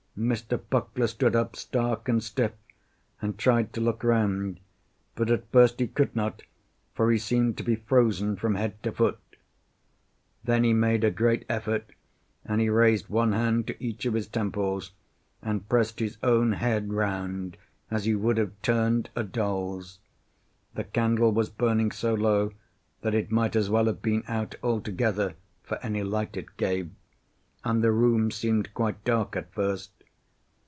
Mr. Puckler stood up, stark and stiff, and tried to look round, but at first he could not, for he seemed to be frozen from head to foot. Then he made a great effort, and he raised one hand to each of his temples, and pressed his own head round as he would have turned a doll's. The candle was burning so low that it might as well have been out altogether, for any light it gave, and the room seemed quite dark at first.